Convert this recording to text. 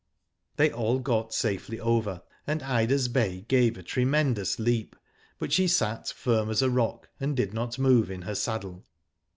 They all got safely over, and Ida*s bay gave a tremendous leap ; but she sat firm as a rock, and did not move in her saddle.